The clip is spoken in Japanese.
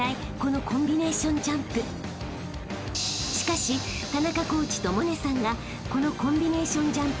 ［しかし田中コーチと百音さんがこのコンビネーションジャンプにこだわるのにはある訳が］